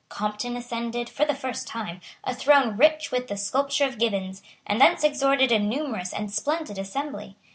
Compton ascended, for the first time, a throne rich with the sculpture of Gibbons, and thence exhorted a numerous and splendid assembly.